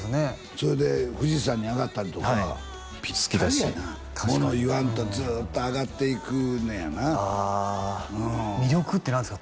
それで富士山に上がったりとかはいピッタリやなもの言わんとずーっと上がっていくねやなあー魅力って何ですか？